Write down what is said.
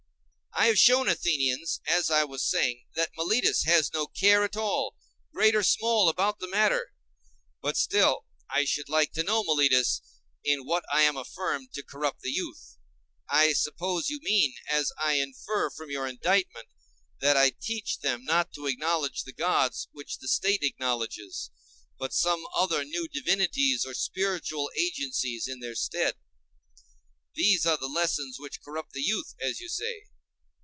I have shown, Athenians, as I was saying, that Meletus has no care at all, great or small, about the matter. But still I should like to know, Meletus, in what I am affirmed to corrupt the young. I suppose you mean, as I infer from your indictment, that I teach them not to acknowledge the gods which the State acknowledges, but some other new divinities or spiritual agencies in their stead. These are the lessons which corrupt the youth, as you say.